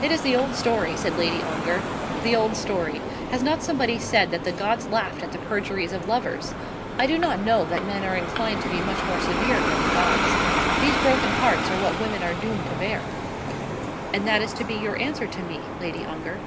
"It is the old story," said Lady Ongar; "the old story! Has not somebody said that the gods laugh at the perjuries of lovers? I do not know that men are inclined to be much more severe than the gods. These broken hearts are what women are doomed to bear." "And that is to be your answer to me, Lady Ongar?"